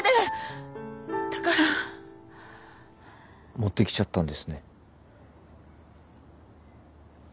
持ってきちゃったんですね。